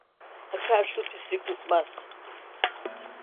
Akarsu pislik tutmaz.